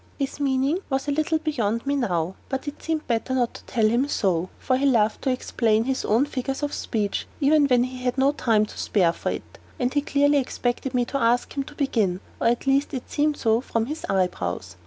His meaning was a little beyond me now; but it seemed better not to tell him so; for he loved to explain his own figures of speech, even when he had no time to spare for it. And he clearly expected me to ask him to begin; or at least it seemed so from his eyebrows.